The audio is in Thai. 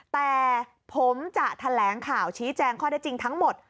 แต่ผมจะแถลงข่าวชี้แจงข้อได้จริงทั้งหมด